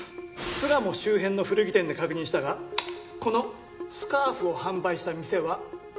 巣鴨周辺の古着店で確認したがこのスカーフを販売した店はない。